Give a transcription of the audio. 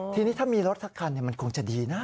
ทีนี้ถ้ามีรถสักคันมันคงจะดีนะ